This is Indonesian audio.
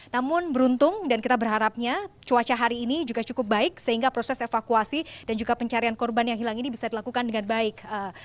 namun beruntung dan kita berharapnya cuaca hari ini juga cukup baik sehingga proses evakuasi dan juga pencarian korban yang hilang ini bisa dilakukan dengan baik